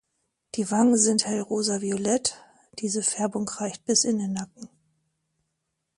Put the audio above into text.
Die Wangen sind hell rosa-violett, diese Färbung reicht bis in den Nacken.